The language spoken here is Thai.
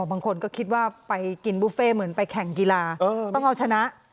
บางคนก็คิดว่าไปกินบุฟเฟ่เหมือนไปแข่งกีฬาต้องเอาชนะ